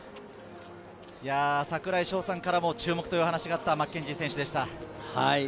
櫻井翔さんからも注目という話があったマッケンジー選手でした。